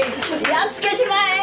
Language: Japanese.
やっつけちまえー！